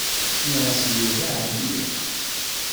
Nniɣ-as i Yuba ɛyiɣ.